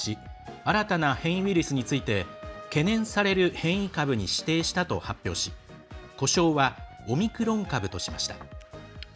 新たな変異ウイルスについて懸念される変異株に指定したと発表し呼称は、オミクロン株としました。